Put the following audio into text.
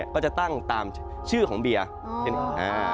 ก็จะตั้งตามชื่อของเบียร์ชีวิตนิดหนึ่ง